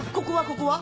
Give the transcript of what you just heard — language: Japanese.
ここは？